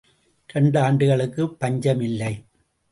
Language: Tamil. இரண்டாண்டுகளுக்குப் பஞ்சம் இல்லை!